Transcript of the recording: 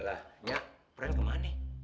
lah nya pren kemana